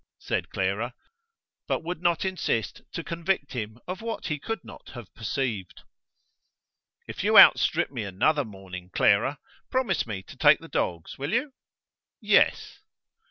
said Clara, but would not insist to convict him of what he could not have perceived. "If you outstrip me another morning, Clara, promise me to take the dogs; will you?" "Yes."